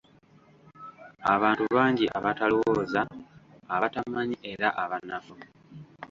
Abantu bangi abatalowooza, abatamanyi era abanafu.